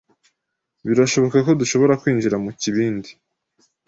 birashoboka ko dushobora kwinjira mukibindi.